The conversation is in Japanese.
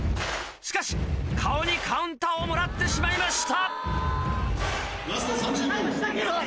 しかし顔にカウンターをもらってしまいました。